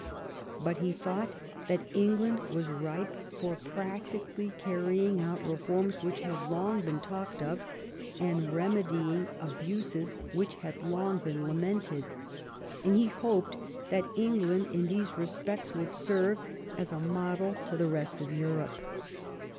But he thought that England was ripe for practically carrying out re forms which had long been talked of, and remedying abuses which had long been lamented ; and he hoped that England in these respects would serve as a model to the rest of Europe.